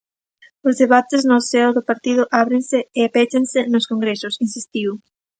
"Os debates no seo do partido ábrense e péchanse nos congresos", insistiu.